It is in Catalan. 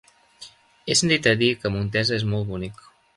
He sentit a dir que Montesa és molt bonic.